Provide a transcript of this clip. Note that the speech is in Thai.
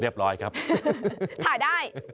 เรียบร้อยครับถ่ายได้